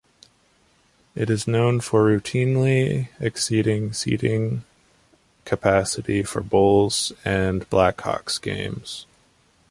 It is known for routinely exceeding seating capacity for Bulls and Blackhawks games.